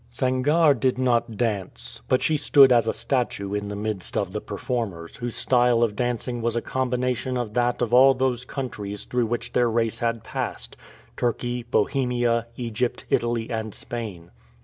Sangarre did not dance, but she stood as a statue in the midst of the performers, whose style of dancing was a combination of that of all those countries through which their race had passed Turkey, Bohemia, Egypt, Italy, and Spain.